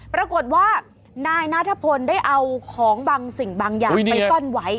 ปรากฏว่านายนัทพลได้เอาของบางสิ่งบางอย่างไปซ่อนไว้